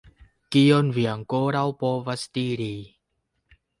Kion vi ankoraŭ povas diri?